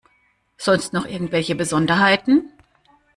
Sonst noch irgendwelche Besonderheiten?